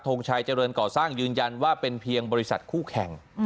งชัยเจริญก่อสร้างยืนยันว่าเป็นเพียงบริษัทคู่แข่ง